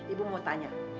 ibu mau tanya